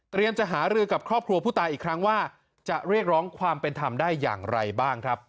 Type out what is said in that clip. จะหารือกับครอบครัวผู้ตายอีกครั้งว่าจะเรียกร้องความเป็นธรรมได้อย่างไรบ้างครับ